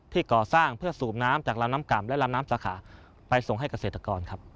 ก่อสร้างเพื่อสูบน้ำจากลำน้ำก่ำและลำน้ำสาขาไปส่งให้เกษตรกรครับ